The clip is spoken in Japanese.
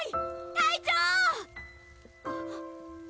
隊長！